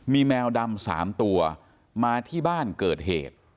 มีแมวดำ๓ตัวมาที่บ้านเกิดเหตุ